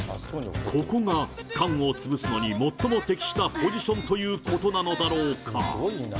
ここが缶を潰すのに最も適したポジションということなのだろうか。